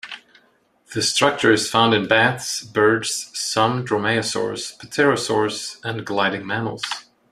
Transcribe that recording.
The structure is found in bats, birds, some dromaeosaurs, pterosaurs, and gliding mammals.